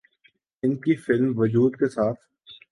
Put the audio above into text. ان کی فلم ’وجود‘ کے ساتھ